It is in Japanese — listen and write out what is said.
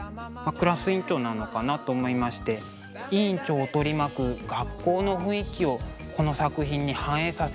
クラス委員長なのかな？と思いまして委員長を取り巻く学校の雰囲気をこの作品に反映させてみました。